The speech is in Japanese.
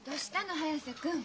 早瀬君。